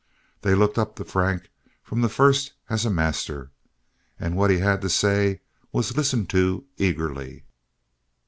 They looked up to Frank from the first as a master, and what he had to say was listened to eagerly.